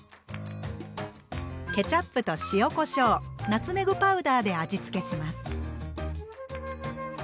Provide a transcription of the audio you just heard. ケチャップと塩こしょうナツメグパウダーで味付けします。